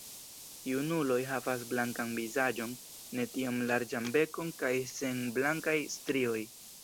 Junuloj havas blankan vizaĝon, ne tiom larĝan bekon kaj sen blankaj strioj.